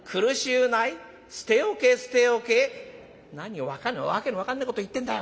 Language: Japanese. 「何を訳の分かんねえこと言ってんだよ。